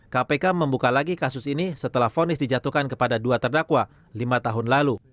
kpk membuka lagi kasus ini setelah fonis dijatuhkan kepada dua terdakwa lima tahun lalu